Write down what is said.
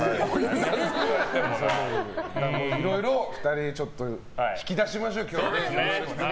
いろいろ２人で引き出しましょう、今日は。